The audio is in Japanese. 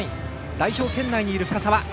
代表圏内にいる深沢。